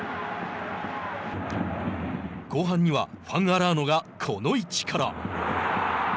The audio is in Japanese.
後半にはファン・アラーノがこの位置から。